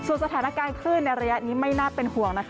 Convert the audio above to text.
ส่วนในระยะนี้หลายพื้นที่ยังคงพบเจอฝนตกหนักได้ค่ะ